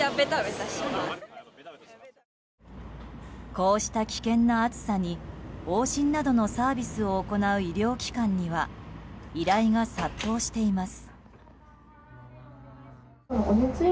こうした危険な暑さに往診などのサービスを行う医療機関には依頼が殺到しています。